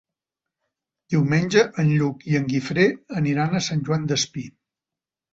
Diumenge en Lluc i en Guifré aniran a Sant Joan Despí.